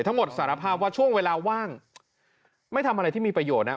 สารภาพว่าช่วงเวลาว่างไม่ทำอะไรที่มีประโยชนนะ